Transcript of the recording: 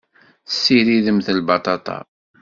Tessiridemt lbaṭaṭa.